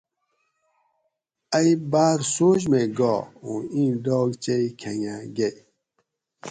ائ باۤر سوچ مئ گا اُوں ایں ڈاکچئ کھنگہ گۤئ